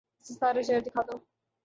اسے سارا شہر دکھا دو